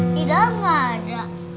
tidak juga gak ada